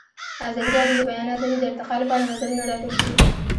ازادي راډیو د د بیان آزادي د ارتقا لپاره نظرونه راټول کړي.